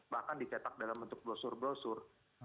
bahkan dicetak dalam bentuk brosur brosur